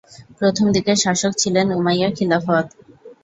প্রথম দিকের শাসক ছিলেন উমাইয়া খিলাফত।